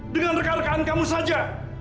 dengan reka rekaan kamu saja